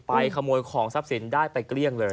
ขโมยของทรัพย์สินได้ไปเกลี้ยงเลย